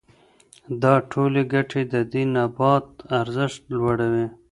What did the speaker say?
دا ټولې ګټې د دې نبات ارزښت لوړوي.